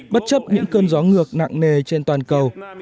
bất chấp những cơn gió ngược nặng nề trên toàn cầu